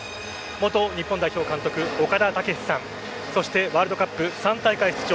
元日本代表監督・岡田武史さんそしてワールドカップ３大会出場